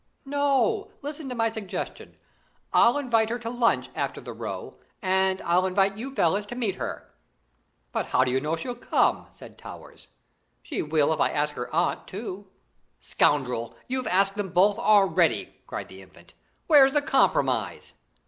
"No, listen to my suggestion. I'll invite her to lunch after the row, and I'll invite you fellows to meet her." "But how do you know she'll come?" said Towers. "She will if I ask her aunt too." "Scoundrel, you've asked them both already!" cried the Infant. "Where's the compromise?"